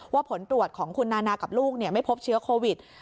ผลตรวจของคุณนานากับลูกไม่พบเชื้อโควิด